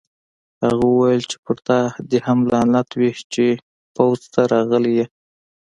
هغه وویل چې په تا هم لعنت وي چې پوځ ته راغلی یې